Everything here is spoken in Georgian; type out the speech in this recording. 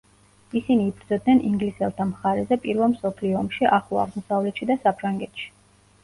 ისინი იბრძოდნენ ინგლისელთა მხარეზე პირველ მსოფლიო ომში ახლო აღმოსავლეთში და საფრანგეთში.